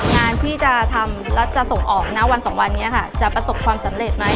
งานที่จะทำแล้วจะส่งออกณวันสองวันนี้ค่ะจะประสบความสำเร็จไหม